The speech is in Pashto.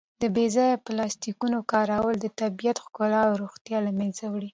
د بې ځایه پلاسټیکونو کارول د طبیعت ښکلا او روغتیا له منځه وړي.